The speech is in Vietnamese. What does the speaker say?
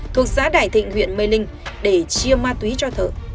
thuộc xã đại thịnh huyện mê linh để chia ma túy cho thợ